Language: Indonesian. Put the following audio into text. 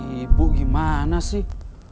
ibu gimana sih